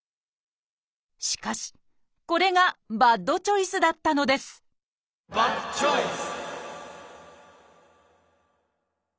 しかしこれがバッドチョイスだったのですバッドチョイス！